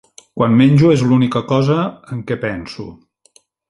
Quan menjo, és l'única cosa en què penso.